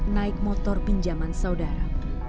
naik motor pinjaman saudara